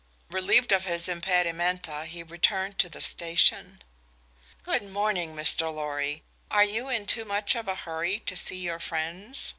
Relieved of his impedimenta, he returned to the station. "Good morning, Mr. Lorry. Are you in too much of a hurry to see your friends?"